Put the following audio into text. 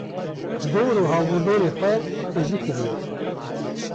dor û hawirdorê xwe tijî kiriye.